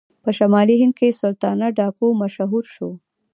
په شمالي هند کې سلطانه ډاکو مشهور شو.